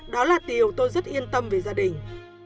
đó là điều tôi rất yên tâm về gia đình